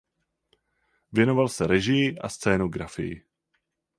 Věnoval se režii a scénografii.